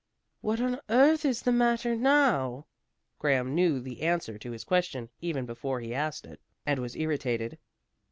"What on earth is the matter now?" Graham knew the answer to his question, even before he asked it, and was irritated.